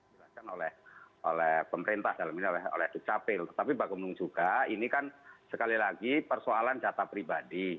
dikasihkan oleh pemerintah dalam hal ini oleh ucapil tapi pak gemlung juga ini kan sekali lagi persoalan data pribadi